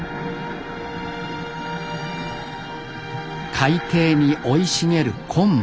海底に生い茂る昆布